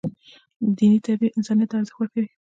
دیني تعبیر انسانیت ته ارزښت ورکوي.